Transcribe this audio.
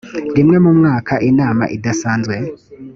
rimwe mu mwaka inama idasanzwe